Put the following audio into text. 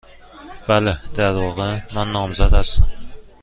بله. در واقع، من نامزد هستم.